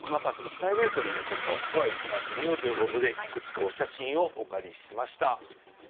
プライベートにもちょっと迫ってみようということでいくつかお写真をお借りしました。